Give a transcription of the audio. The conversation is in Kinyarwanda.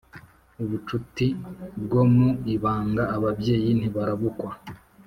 ubucuti bwo mu ibanga ababyeyi ntibarabukwa